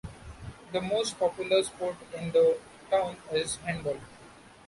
The most popular sport in the town is handball.